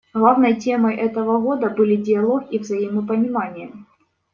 Главной темой этого Года были диалог и взаимопонимание.